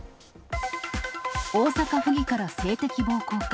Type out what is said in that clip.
大阪府議から性的暴行か。